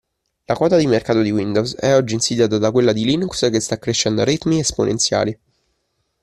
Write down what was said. La quota di mercato di Windows è oggi insidiata da quella di Linux che sta crescendo a ritmi esponenziali.